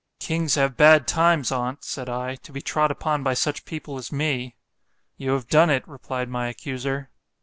——Kings have bad times on't, said I, to be trod upon by such people as me. You have done it, replied my accuser.